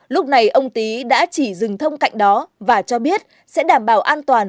lúc này ông tý đã chỉ dừng thông cạnh đó và cho biết sẽ đảm bảo an toàn